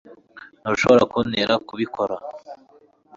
ntushobora kuntera kubikora